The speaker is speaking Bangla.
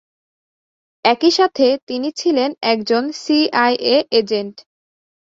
একই সাথে তিনি ছিলেন একজন সিআইএ এজেন্ট।